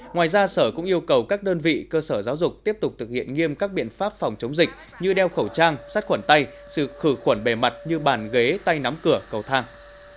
ngoài ra sở cũng yêu cầu các đơn vị cơ sở giáo dục tiếp tục thực hiện nghiêm các biện pháp phòng chống dịch như đeo khẩu trang sát khuẩn tay sự khử khuẩn bề mặt như bàn ghế tay nắm cửa cầu thang